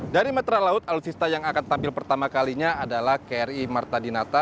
dari metra laut alutsista yang akan tampil pertama kalinya adalah kri marta dinata